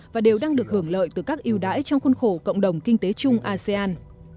và đều đang được hưởng lợi từ các yêu đãi trong khuôn khổ cộng đồng kinh tế chung asean